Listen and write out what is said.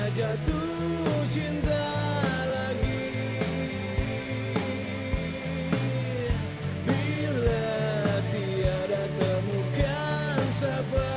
aku takkan pernah jatuh cinta lagi bila tiada temukan sebabnya